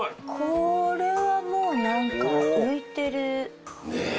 これはもう何か浮いてる。